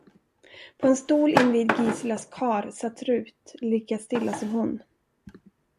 På en stol invid Giselas kar satt Rut, lika stilla som hon.